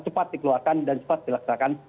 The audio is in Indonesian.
cepat dikeluarkan dan cepat dilaksanakan